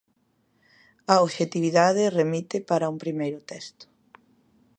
A obxectividade remite para un primeiro texto.